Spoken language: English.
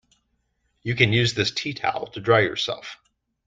You can use this teatowel to dry yourself.